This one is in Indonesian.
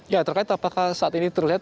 ya terkait apakah saat ini terlihat